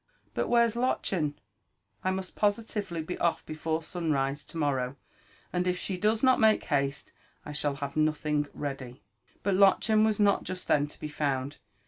^But where's Lolt ebent I must positively be oif before sunrise to morrow ; and if she does not make haste, I shall bave nothing ready." But Lottehen was not just then to be/ound.